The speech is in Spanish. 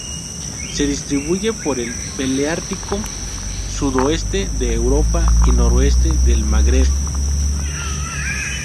Se distribuye por el paleártico: sudoeste de Europa y noroeste del Magreb.